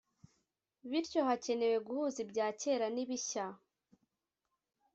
bityo hakenewe guhuza ibya kera n’ibishya